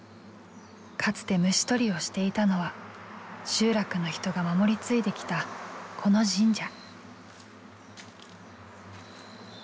かつて虫捕りをしていたのは集落の人が守り継いできたこの神社。